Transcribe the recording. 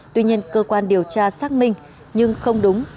tuy nhiên cơ quan điều tra xác minh nhưng không đúng